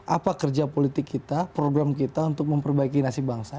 apa kerja politik kita program kita untuk memperbaiki nasib bangsa